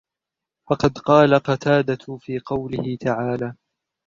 فَقَدْ قَالَ قَتَادَةُ فِي قَوْله تَعَالَى